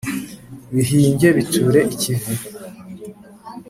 bihinge biture ikivi